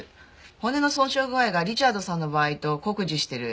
骨の損傷具合がリチャードさんの場合と酷似してる。